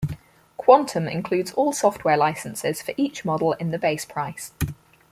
Quantum includes all software licenses for each model in the base price.